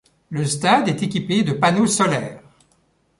Le stade est équipé de panneaux solaires.